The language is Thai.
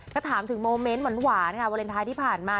ก็ถามถึงโมเมนต์หวันหวานค่ะเวอร์เน้นทายที่ผ่านมา